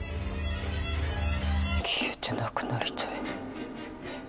消えてなくなりたい